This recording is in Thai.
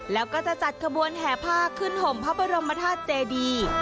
แล้วก็จะจัดขบวนแห่ผ้าขึ้นห่มพระบรมธาตุเจดี